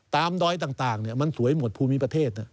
ดอยต่างมันสวยหมดภูมิประเทศ